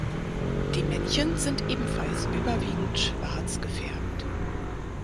Die Männchen sind ebenfalls überwiegend schwarz gefärbt.